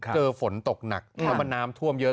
เจอฝนตกหนักแล้วมันน้ำท่วมเยอะ